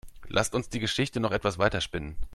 Lasst uns die Geschichte noch etwas weiter spinnen.